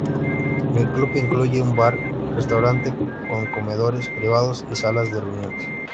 El club incluye un bar, restaurante con comedores privados y salas de reuniones.